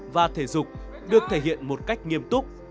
và thể dục được thể hiện một cách nghiêm túc